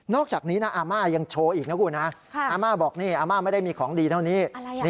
อกจากนี้นะอาม่ายังโชว์อีกนะคุณนะอาม่าบอกนี่อาม่าไม่ได้มีของดีเท่านี้